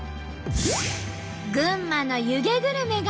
群馬の湯気グルメがこちら。